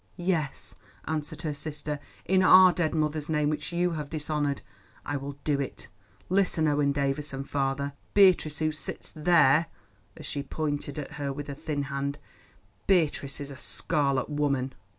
"Yes," answered her sister, "in our dead mother's name, which you have dishonoured, I will do it. Listen, Owen Davies, and father: Beatrice, who sits there"—and she pointed at her with her thin hand—"_Beatrice is a scarlet woman!